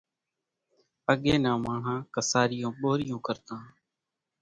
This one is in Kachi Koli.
اڳيَ نان ماڻۿان ڪسارِيوُن ٻورِيون ڪرتان۔